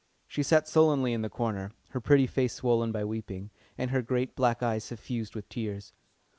She sat sullenly in the corner, her pretty face swollen by weeping, and her great black eyes suffused with tears.